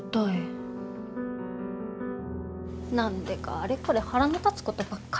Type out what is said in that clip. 何でかあれこれ腹の立つことばっかりさ。